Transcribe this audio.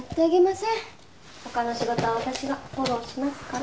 他の仕事は私がフォローしますから。